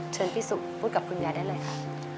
เชิญพี่สุพูดกับคุณยายได้เลยค่ะ